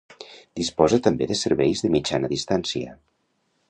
Disposa també de servicis de mitjana distància.